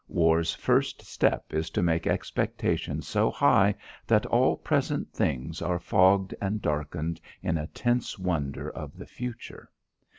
War's first step is to make expectation so high that all present things are fogged and darkened in a tense wonder of the future.